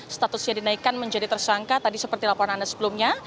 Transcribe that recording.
statusnya dinaikkan menjadi tersangka tadi seperti laporan anda sebelumnya